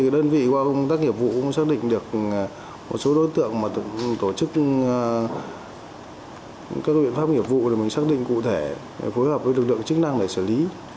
đơn vị qua công tác hiệu vụ xác định được một số đối tiện tổ chức các huyện pháp hiệu vụ để xác định cụ thể để phối hợp với lực lượng chức năng để xử lý